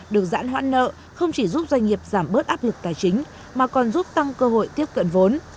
được giãn hoãn nợ không chỉ giúp doanh nghiệp giảm bớt áp lực tài chính mà còn giúp tăng cơ hội tiếp cận vốn